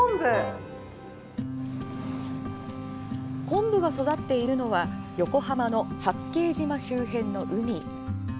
こんぶが育っているのは横浜の八景島周辺の海。